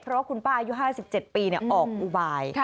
เพราะคุณป้าอายุ๕๗ปีออกอุบาย